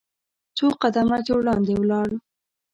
څو قدمه چې وړاندې ولاړ .